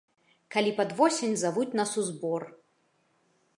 Калі пад восень завуць нас у збор.